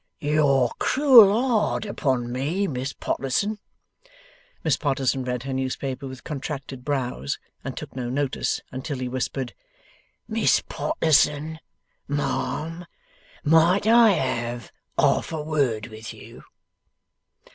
'You're cruel hard upon me, Miss Potterson.' Miss Potterson read her newspaper with contracted brows, and took no notice until he whispered: 'Miss Potterson! Ma'am! Might I have half a word with you?